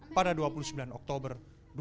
pada dua puluh sembilan oktober dua ribu lima